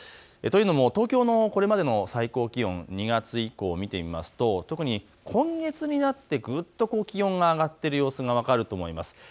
というのも東京のこれまでの最高気温、２月以降を見てみると特に今月になってぐっと気温が上がっている様子が分かると思います。